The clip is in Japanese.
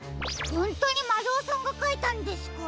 ほんとにまるおさんがかいたんですか？